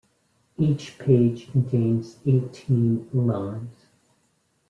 Each page contains eighteen lines.